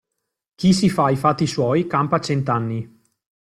Chi si fa i fatti suoi, campa cent'anni.